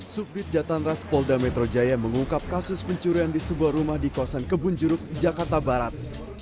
subdit jatan ras polda metro jaya mengungkap kasus pencurian di sebuah rumah di kawasan kebun juruk jakarta barat